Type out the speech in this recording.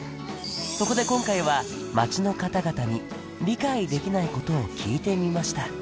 そこで今回は街の方々に理解できないことを聞いてみました